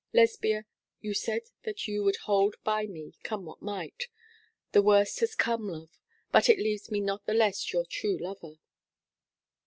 Lesbia, you said that you would hold by me, come what might. The worst has come, love; but it leaves me not the less your true lover.'